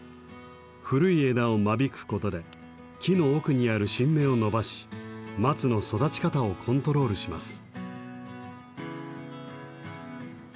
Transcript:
古い枝を間引くことで木の奥にある新芽を伸ばし松の育ち方をコントロールします。